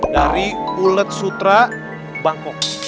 dari ulet sutra bangkok